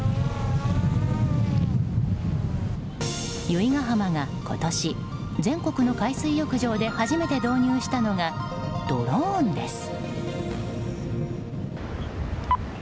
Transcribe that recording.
由比ガ浜が今年全国の海水浴場で初めて導入したのがドローンです。